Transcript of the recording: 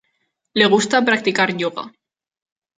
Le gusta practicar yoga.